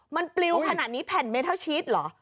มันปลิวขนาดนี้แผ่นเมทัลชีสเหรอ